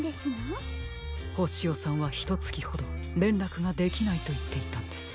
ホシヨさんはひとつきほどれんらくができないといっていたんです。